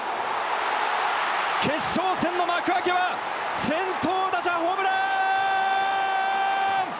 決勝戦の幕開けは先頭打者ホームラン！